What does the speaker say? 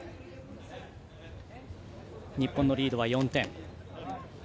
日本のリードは４点。